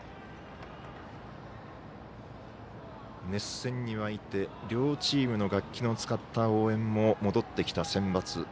熱戦に沸いて両チームの楽器の使った応援も戻ってきたセンバツ。